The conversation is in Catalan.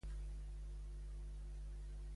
Què hi tractava Eubul en les seves composicions?